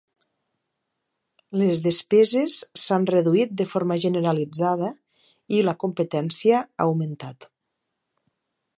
Les despeses s"han reduït de forma generalitzada i la competència ha augmentat.